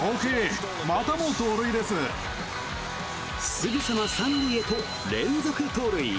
すぐさま３塁へと連続盗塁。